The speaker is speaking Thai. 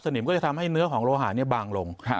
นิมก็จะทำให้เนื้อของโลหะบางลง